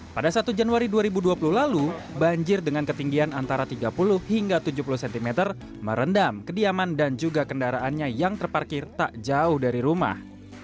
pada satu januari dua ribu dua puluh lalu banjir dengan ketinggian antara tiga puluh hingga tujuh puluh cm merendam kediaman dan juga kendaraannya yang terparkir tak jauh dari rumah